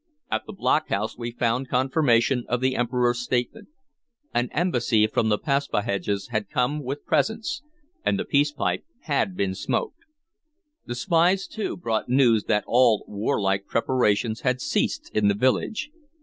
At the block house we found confirmation of the Emperor's statement. An embassy from the Paspaheghs had come with presents, and the peace pipe had been smoked. The spies, too, brought news that all war like preparations had ceased in the village.